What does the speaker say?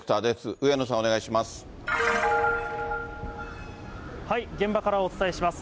上野さん、お願いします。